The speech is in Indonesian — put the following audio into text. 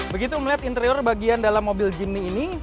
begitu melihat interior bagian dalam mobil jimmy ini